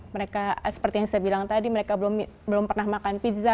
mereka seperti yang saya bilang tadi mereka belum pernah makan pizza